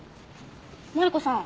マリコさん